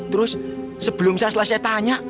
terus sebelum selesai tanya